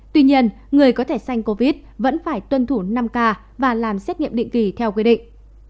tuy nhiên người có thể xanh covid vẫn phải tuân thủ năm k và làm xét nghiệm định kỳ theo quy định